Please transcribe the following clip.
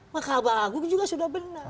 mahkamah agung juga sudah benar